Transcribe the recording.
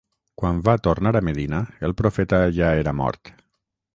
Quan va tornar a Medina el profeta ja era mort.